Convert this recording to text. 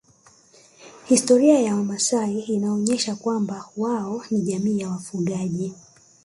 Historia ya wamasai inaonyesha kwamba wao ni jamii ya wafugaji